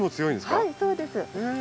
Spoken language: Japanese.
はいそうです。